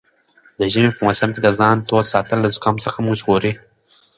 د ژمي په موسم کې د ځان تود ساتل له زکام څخه مو ژغوري.